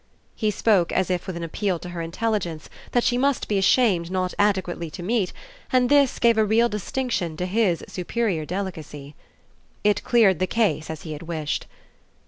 He spoke as if with an appeal to her intelligence that she must be ashamed not adequately to meet, and this gave a real distinction to his superior delicacy. It cleared the case as he had wished.